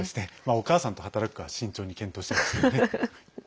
お母さんと働くかは慎重に検討しますけどね。